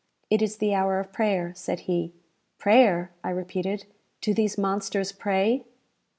"It is the hour of prayer," said he. "Prayer!" I repeated. "Do these monsters pray?"